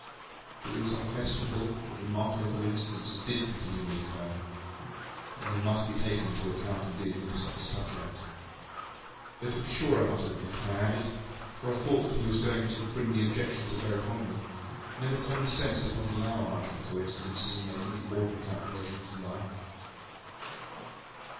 But it was unquestionable that remarkable coincidences did continually occur, and they must be taken into account in dealing with such a subject. Though to be sure I must admit, I added (for I thought I saw that he was going to bring the objection to bear upon me), men of common sense did not allow much for coincidences in making the ordinary calculations of life.